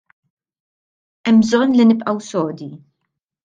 Hemm bżonn li nibqgħu sodi.